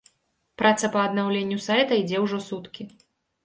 Праца па аднаўленню сайта ідзе ўжо суткі.